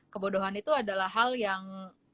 kebodohan itu adalah hal yang